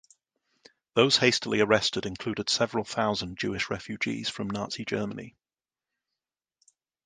Those hastily arrested included several thousand Jewish refugees from Nazi Germany.